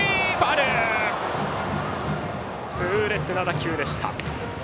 痛烈な打球でした。